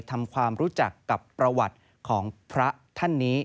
ทำความรู้จักกับประวัติของพระท่านนี้